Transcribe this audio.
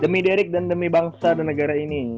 demi derek dan demi bangsa dan negara ini